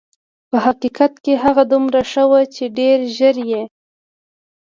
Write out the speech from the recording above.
په حقیقت کې هغه دومره ښه وه چې ډېر ژر یې.